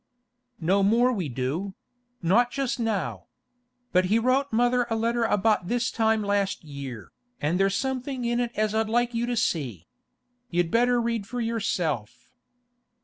'No more we do—not just now. But he wrote mother a letter about this time last year, an' there's something in it as I'd like you to see. You'd better read for yourself.